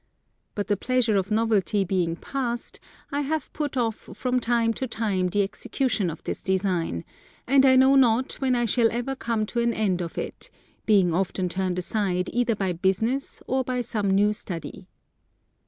But the pleasure of novelty being past, I have put off from time to time the execution of this design, and I know not when I shall ever come to an end if it, being often turned aside either by business or by some new study.